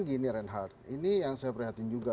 gini reinhardt ini yang saya perhatikan juga